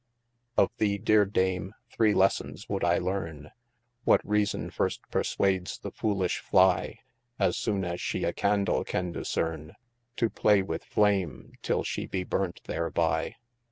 OF thee deare Dame, three lessons would I learne : What reason first persuades the foolish Fly {As soone as shee a candle can discerne) To play with flame, till shee bee burnt thereby?